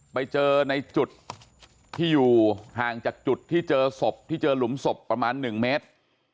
ไปเจอในจุดที่อยู่ห่างจากจุดที่เจอศพที่เจอหลุมศพประมาณ๑เมตร